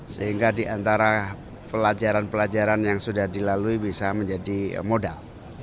sehingga diantara pelajaran pelajaran yang sudah dilalui bisa menjadi modal